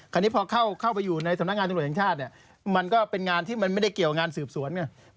คราวนี้พอเข้าไปอยู่ในสำนักงานตำรวจแห่งชาติเนี่ยมันก็เป็นงานที่มันไม่ได้เกี่ยวงานสืบสวนไง